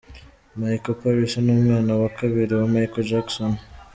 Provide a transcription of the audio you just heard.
Micheal Paris ni umwana wa kabiri wa Michael Jackson.